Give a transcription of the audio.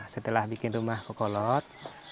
setelah bikin rumah kokolot